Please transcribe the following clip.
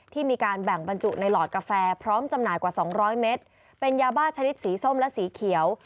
มีการแบ่งบรรจุในหลอดกาแฟพร้อมจำหน่ายกว่า๒๐๐เมตรเป็นยาบ้าชนิดสีส้มและสีเขียว